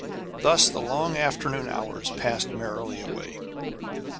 Thus the long afternoon hours passed merrily away.